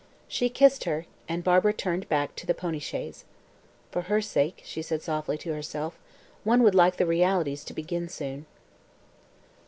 She kissed her, and Barbara turned back to the pony chaise. "For her sake," she said softly to herself, "one would like the realities to begin soon."